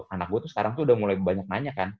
anak gue tuh sekarang tuh udah mulai banyak nanya kan